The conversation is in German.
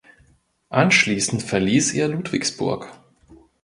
Anschließend verließ er Ludwigsburg.